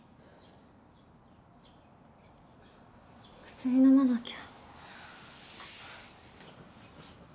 薬飲まなきゃ。